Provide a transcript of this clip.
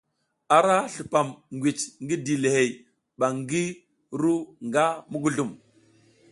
Ara slupam ngwici ngi dilihey ba ngi ru nga muguzlum.